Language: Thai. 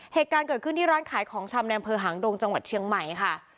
เหตุการณ์เกิดขึ้นที่ร้านขายของชำในอำเภอหางดงจังหวัดเชียงใหม่ค่ะ